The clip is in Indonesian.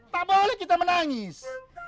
tak boleh kita menangis